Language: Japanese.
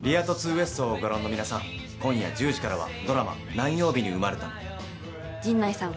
ＷＥＳＴをご覧の皆さん今夜１０時からはドラマ何曜日に生陣内さん